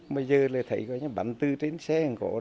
bây giờ là thấy bắn tư trên xe